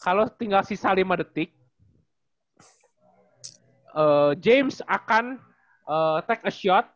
kalau tinggal sisa lima detik james akan take asyot